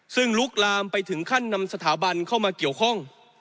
ซึ่งลุกลามไปถึงขั้นนำสถาบันเข้ามาเกี่ยวข้อง